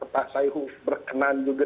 pak sayhu berkenan juga